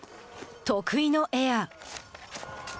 得意のエア。